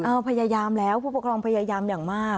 พยายามแล้วผู้ปกครองพยายามอย่างมาก